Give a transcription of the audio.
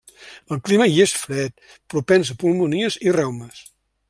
El clima hi és fred, propens a pulmonies i reumes.